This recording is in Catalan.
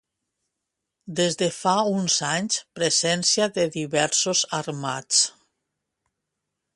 Des de fa uns anys, presència de diversos Armats.